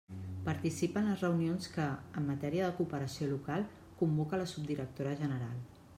Participa en les reunions que, en matèria de cooperació local, convoca la subdirectora general.